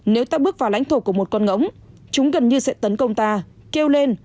nếu ta bước vào lãnh thổ của một con ngỗng chúng gần như sẽ tấn công ta kêu lên